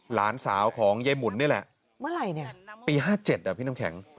หลานสาวของยายหมุนนี่แหละเมื่อไหร่เนี่ยปี๕๗อ่ะพี่น้ำแข็ง